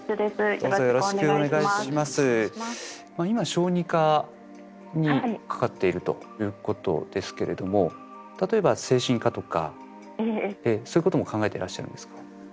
今小児科にかかっているということですけれども例えば精神科とかそういうことも考えてらっしゃるんですか？